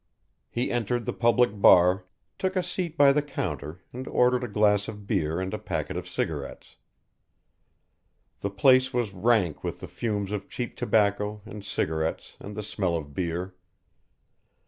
He entered the public bar, took a seat by the counter and ordered a glass of beer and a packet of cigarettes. The place was rank with the fumes of cheap tobacco and cigarettes and the smell of beer.